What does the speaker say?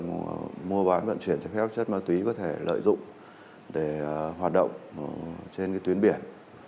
các đối tượng mua bán vận chuyển cho khép chất ma túy có thể lợi dụng để hoạt động trên tuyến biển